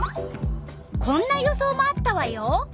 こんな予想もあったわよ。